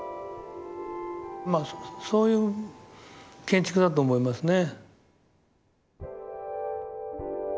まあそういう建築だと思いますね。